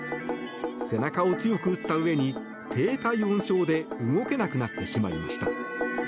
背中を強く打ったうえに低体温症で動けなくなってしまいました。